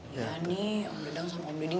ya nih om dedang sama om deding